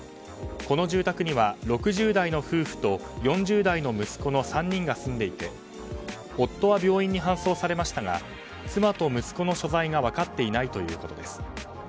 この住宅には６０代の夫婦と４０代の息子の３人が住んでいて夫は病院に搬送されましたが妻と息子の所在が分かっていないということです。